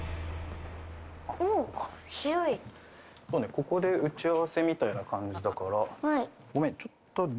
ここで打ち合わせみたいな感じだから。